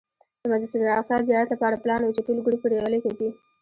د مسجد الاقصی زیارت لپاره پلان و چې ټول ګروپ پر یوه لیکه ځي.